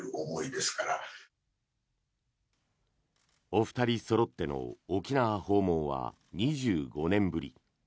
お二人そろっての沖縄訪問は２５年ぶり。